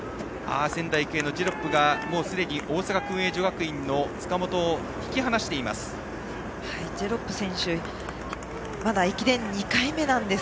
仙台育英のジェロップが大阪薫英女学院の塚本を引き離しています。